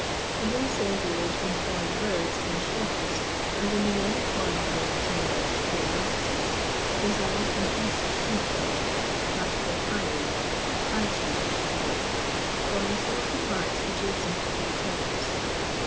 The wholesale dealers in foreign birds and shells, and in the many foreign things known as " curio sities," reside in East Smithfield, Ratcliffc highway, High street (Shadwell), or in some of the parts adjacent to the Thames.